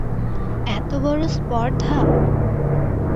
এত বড়ো স্পর্ধা!